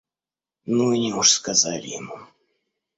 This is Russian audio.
Но они уж сказали ему.